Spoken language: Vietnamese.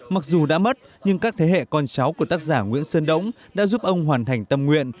mặc dù đã mất nhưng các thế hệ con cháu của tác giả nguyễn sơn đống đã giúp ông hoàn thành tâm nguyện